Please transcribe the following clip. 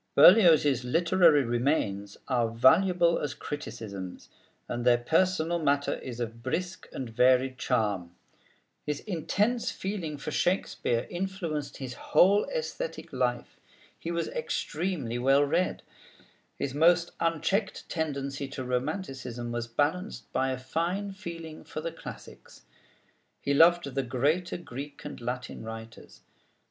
Berlioz's literary remains are valuable as criticisms, and their personal matter is of brisk and varied charm. His intense feeling for Shakespeare influenced his whole æsthetic life. He was extremely well read. His most unchecked tendency to romanticism was balanced by a fine feeling for the classics. He loved the greater Greek and Latin writers.